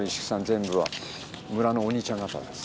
全部は村のお兄ちゃん方です。